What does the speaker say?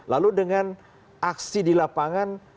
lalu dengan aksi di lapangan